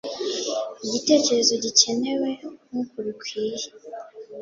igitekerezo gikenewe nk uku bikwiye